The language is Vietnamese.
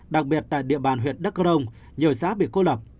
đặc biệt tại địa bàn huyện đắk cơ rông nhiều xã bị cô lập